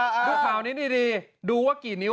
ดูข่าวนี้ดีดูว่ากี่นิ้ว